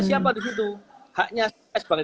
siapa di situ haknya sebagai